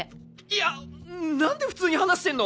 いや何で普通に話してんの！？